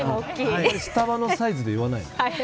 スタバのサイズで言わないの。